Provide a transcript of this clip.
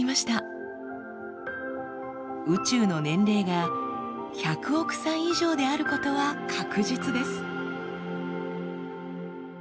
宇宙の年齢が１００億歳以上であることは確実です。